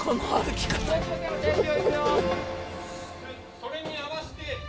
それに合わせて。